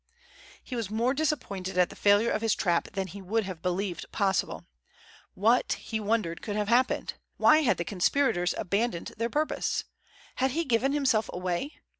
He was more disappointed at the failure of his trap than he would have believed possible. What, he wondered, could have happened? Why had the conspirators abandoned their purpose? Had he given himself away?